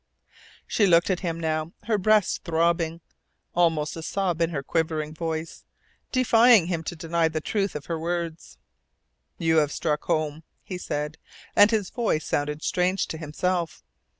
She looked at him now, her breast throbbing, almost a sob in her quivering voice, defying him to deny the truth of her words. "You have struck home," he said, and his voice sounded strange to himself.